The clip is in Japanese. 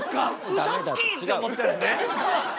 うそつき！って思ったんですね。